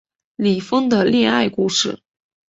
李锋的恋爱故事